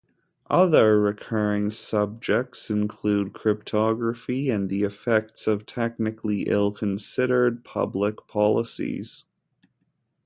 Other recurring subjects include cryptography and the effects of technically ill-considered public policies.